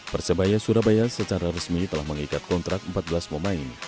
persebaya surabaya secara resmi telah mengikat kontrak empat belas pemain